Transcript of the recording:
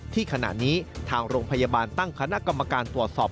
ขณะนี้ทางโรงพยาบาลตั้งคณะกรรมการตรวจสอบ